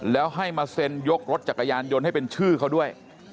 แล้วให้มาเซ็นยกรถจักรยานยนต์ให้เป็นชื่อเขาด้วย